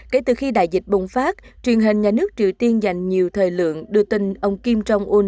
kể từ khi đại dịch bùng phát truyền hình nhà nước triều tiên dành nhiều thời lượng đưa tin ông kim jong un